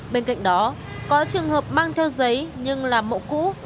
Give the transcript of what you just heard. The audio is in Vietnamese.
bên cạnh đó có trường hợp mang theo giấy nhưng làm mẫu cũ